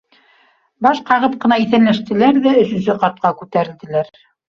Баш ҡағып ҡына иҫәнләштеләр ҙә өсөнсө ҡатҡа күтәрелделәр